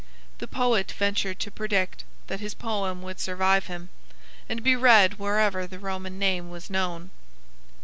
The poet ventured to predict that his poem would survive him, and be read wherever the Roman name was known."